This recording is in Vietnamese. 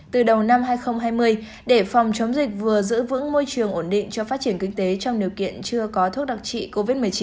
từ đầu năm hai nghìn hai mươi để phòng chống dịch vừa giữ vững môi trường ổn định cho phát triển kinh tế trong điều kiện chưa có thuốc đặc trị covid một mươi chín